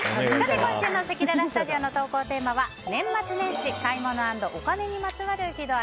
今週のせきららスタジオの投稿テーマは年末年始買い物＆お金にまつわる喜怒哀